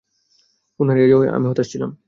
Phone হারিয়ে যাওয়ায় আমি হতাশ ছিলাম।